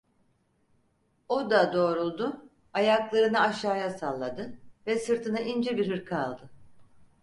O da doğruldu, ayaklarını aşağıya salladı ve sırtına ince bir hırka aldı.